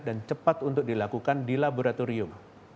dan cepat untuk dilakukan di laboratorium